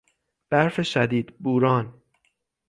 برف شدید، بوران